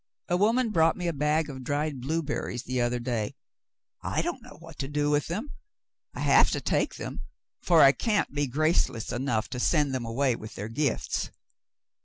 A woman brought me a bag of dried blueberries the other day. I don't know what to do with them. I have to take them, for I can't be graceless enough to send them away with their gifts."